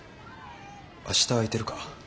明日空いてるか？